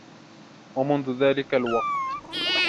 ومنذ ذلك الوقت